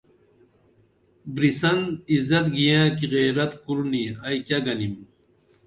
برِسن عزت گیاں کی غیرت کُرِنی ائی کیہ گنِم